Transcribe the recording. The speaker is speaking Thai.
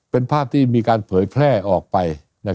เป็นภาพที่มีการเผยแพร่ออกไป